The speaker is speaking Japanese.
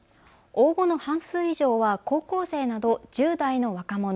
応募の半数以上は高校生など１０代の若者。